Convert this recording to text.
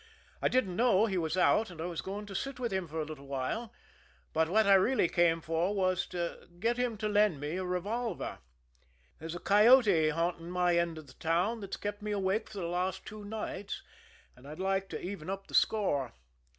I didn't know he was out, and I was going to sit with him for a little while, but what I really came for was to get him to lend me a revolver there's a coyote haunting my end of the town that's kept me awake for the last two nights, and I'd like to even up the score.